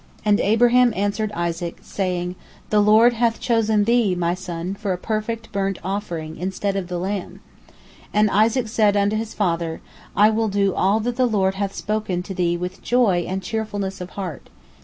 And Abraham answered Isaac, saying, "The Lord hath chosen thee, my son, for a perfect burnt offering, instead of the lamb." And Isaac said unto his father, "I will do all that the Lord hath spoken to thee with joy and cheerfulness of heart."